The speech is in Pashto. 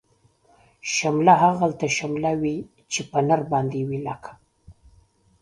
شمله هغلته شمله وی، چی په نر باندی وی لکه